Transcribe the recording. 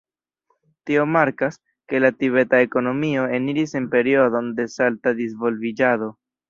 Tio markas, ke la tibeta ekonomio eniris en periodon de salta disvolviĝado.